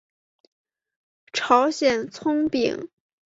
朝鲜葱饼。